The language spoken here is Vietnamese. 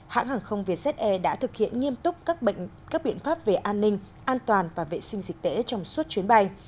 hãng hàng không vietjet air đã thực hiện nghiêm túc các biện pháp về an ninh an toàn và vệ sinh dịch tễ trong suốt chuyến bay